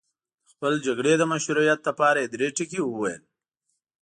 د خپلې جګړې د مشروعیت لپاره یې درې ټکي وویل.